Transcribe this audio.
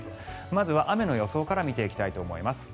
まずは雨の予想から見ていきたいと思います。